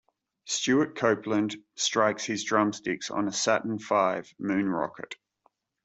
Stewart Copeland strikes his drumsticks on a Saturn Five moon rocket.